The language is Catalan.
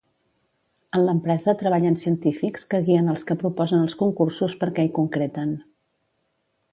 En l'empresa treballen científics que guien als que proposen els concursos perquè hi concreten.